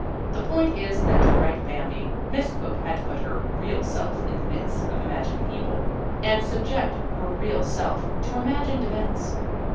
The point is that to write Bambi Miss Cooke had to put her real self in the midst of imagined people and subject her real self to imagined events.